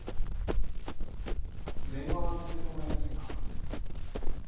電話させてもらえませんか？